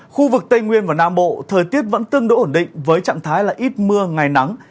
khu vực tây nguyên và nam bộ thời tiết vẫn tương đối ổn định với trạng thái là ít mưa ngày nắng